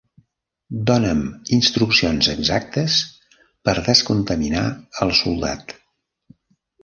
Dóna'm instruccions exactes per descontaminar el soldat.